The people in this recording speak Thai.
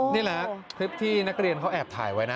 นี่แหละคลิปที่นักเรียนเขาแอบถ่ายไว้นะ